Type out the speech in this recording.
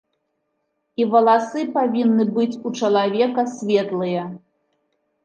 І валасы павінны быць у чалавека светлыя.